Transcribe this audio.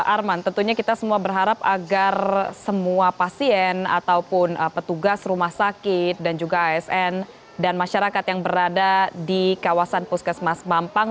arman tentunya kita semua berharap agar semua pasien ataupun petugas rumah sakit dan juga asn dan masyarakat yang berada di kawasan puskesmas mampang